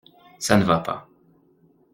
Ça ne va pas.